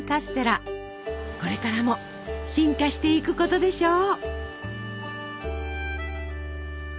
これからも進化していくことでしょう。